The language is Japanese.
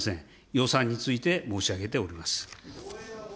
予算について申し上げております。